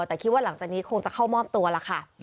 หรือว่าหลังจากนี้คงจะเข้าหม้อมตัวแล้วค่ะ